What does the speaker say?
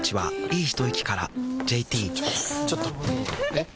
えっ⁉